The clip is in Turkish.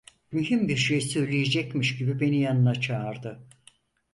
Mühim bir şey söyleyecekmiş gibi beni yanına çağırdı: